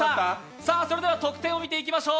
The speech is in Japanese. さぁ、得点を見ていきましょう。